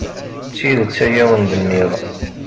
D tidet ay awen-d-nniɣ.